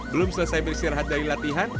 belum selesai beristirahat dari latihan